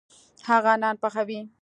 هغه نان پخوي.